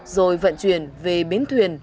rồi vận chuyển về bến thuyền